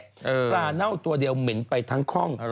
ปลาเน่าตัวเดียวเหม็นไปทั้งคล่อง